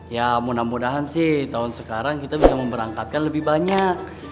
ya mudah mudahan sih tahun sekarang kita bisa memberangkatkan lebih banyak